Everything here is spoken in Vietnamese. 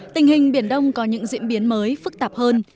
tình hình biển đông có những diễn biến mới phức tạp hơn